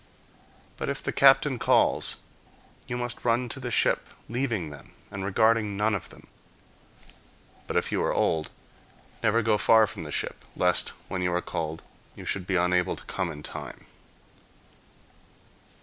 But if the captain calls, you must run to the ship, leaving them, and regarding none of them. But if you are old, never go far from the ship: lest, when you are called, you should be unable to come in time.